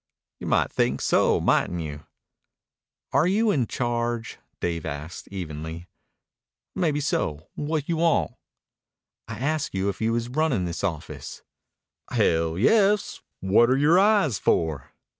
"You might think so, mightn't you?" "Are you in charge?" asked Dave evenly. "Maybeso. What you want?" "I asked you if you was runnin' this office." "Hell, yes! What're your eyes for?"